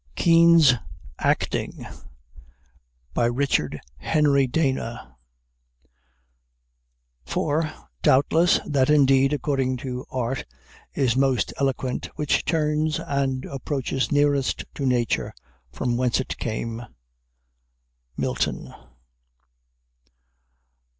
KEAN'S ACTING RICHARD HENRY DANA "For, doubtless, that indeed according to art is most eloquent, which turns and approaches nearest to nature, from whence it came." MILTON.